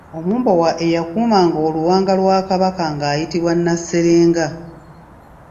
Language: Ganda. Omumbowa eyakuumanga Oluwanga lwa Kabaka nga ayitibwa Nasserenga.